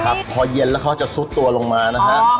ครับพอเย็นแล้วเขาจะซุดตัวลงมานะครับ